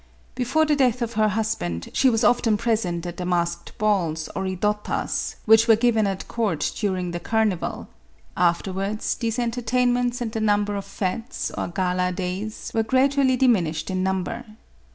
Before the death of her husband, she was often present at the masked balls, or ridottas, which were given at court during the carnival ; afterward, these entertainments and the number of fetes, or gala days, were gradually diminished in number.